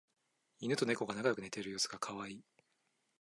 イヌとネコが仲良く寝ている様子がカワイイ